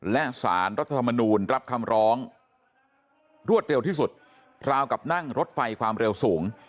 และสารรัฐธรรมนูลรับคำร้องรวดเร็วที่สุดราวกับนั่งรถไฟความเร็วสูง